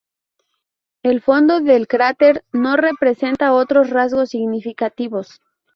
El fondo del cráter no presenta otros rasgos significativos.